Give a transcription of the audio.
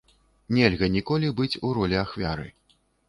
Нельга ніколі быць у ролі ахвяры.